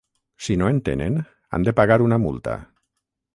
Si no en tenen, han de pagar una multa.